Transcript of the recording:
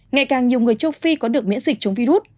ngày càng nhiều người châu phi có được miễn dịch chống virus